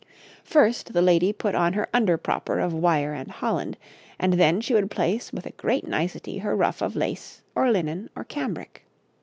First, the lady put on her underpropper of wire and holland, and then she would place with a great nicety her ruff of lace, or linen, or cambric.